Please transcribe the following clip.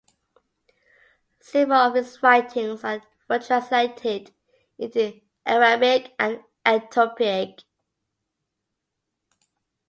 Several of his writings were translated into Arabic and Ethiopic.